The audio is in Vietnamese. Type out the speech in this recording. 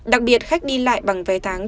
đặc biệt khách đi lại bằng vé tháng